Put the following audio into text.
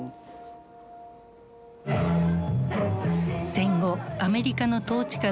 戦後アメリカの統治下で生まれ